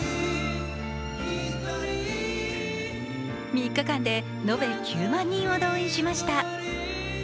３日間で延べ９万人を動員しました。